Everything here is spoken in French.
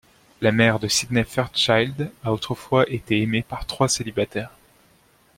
La mère de Sydney Fairchild a autrefois été aimée par trois célibataires.